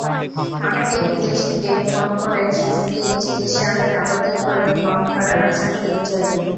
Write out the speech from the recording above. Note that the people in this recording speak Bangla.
অনেকেই বিদেশ থেকে ফোন করে শিশুটির চিকিত্সার যাবতীয় খরচ বহন করার আশ্বাস দিয়েছেন।